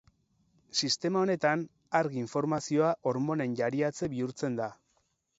Sistema honetan, argi informazioa hormonen jariatze bihurtzen da.